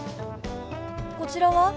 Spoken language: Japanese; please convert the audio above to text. こちらは？